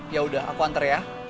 ya udah aku antar ya